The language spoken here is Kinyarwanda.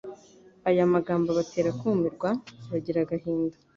Aya magambo abatera kumirwa bagira agahinda.